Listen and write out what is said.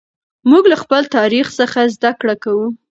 موږ له خپل تاریخ څخه زده کړه کوو.